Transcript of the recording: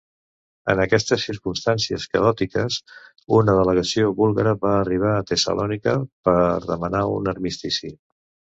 En aquestes circumstàncies caòtiques, una delegació búlgara va arribar a Tessalònica per demanar un armistici.